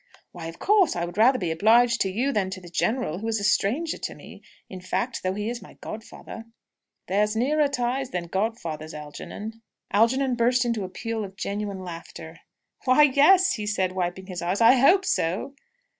"Why, of course, I would rather be obliged to you than to the general, who is a stranger to me, in fact, though he is my godfather." "There's nearer ties than godfathers, Algernon." Algernon burst into a peal of genuine laughter. "Why, yes," said he, wiping his eyes, "I hope so!"